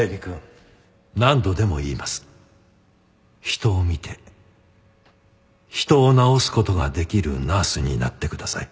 人を見て人を治す事ができるナースになってください。